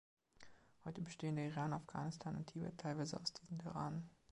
Heute bestehen der Iran, Afghanistan und Tibet teilweise aus diesen Terranen.